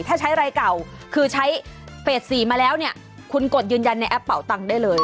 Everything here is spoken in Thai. ถ้าใช้รายเก่าคือใช้เฟส๔มาแล้วเนี่ยคุณกดยืนยันในแอปเป่าตังค์ได้เลย